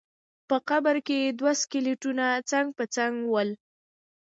په بل قبر کې دوه سکلیټونه څنګ په څنګ ول.